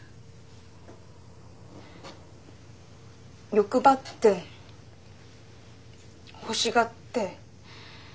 欲張って欲しがって。